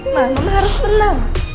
mama harus tenang